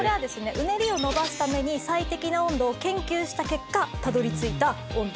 うねりを伸ばすために最適な温度を研究した結果たどり着いた温度。